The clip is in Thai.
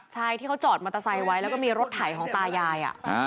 ใช่ที่เขาจอดมอเตอร์ไซค์ไว้แล้วก็มีรถไถของตายาย